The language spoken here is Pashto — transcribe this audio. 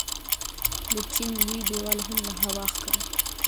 د چین لوی دیوال هم له هوا ښکاري.